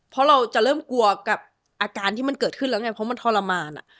เพราะเราจะเริ่มกลัวกับอาการที่มันเกิดขึ้นแล้วไงเพราะมันทรมาน